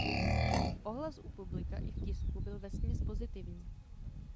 Ohlas u publika i v tisku byl vesměs pozitivní.